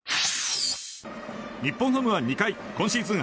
日本ハムは２回、今シーズン